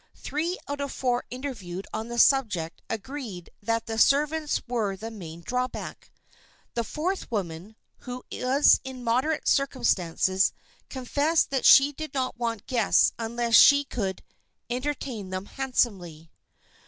Three out of four interviewed on the subject agreed that the servants were the main drawback. The fourth woman, who was in moderate circumstances, confessed that she did not want guests unless she could "entertain them handsomely."